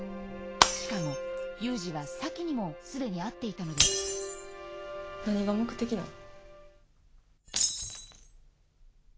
しかも祐二は咲妃にも既に会っていたのです何が目的なん？